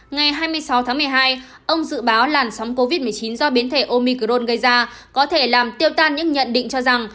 ngày hai mươi sáu tháng một mươi hai ông dự báo làn sóng covid một mươi chín do biến thể omicron gây ra có thể làm tiêu tan những nhận định cho rằng